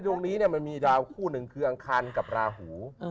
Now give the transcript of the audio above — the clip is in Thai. ดวงนี้มันมีดาวคู่หนึ่งคืออังคารกับราหู